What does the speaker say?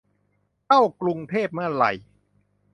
เข้ากรุงเทพเมื่อไหร่